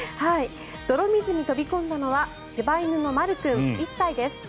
泥水に飛び込んだのは柴犬のまる君、１歳です。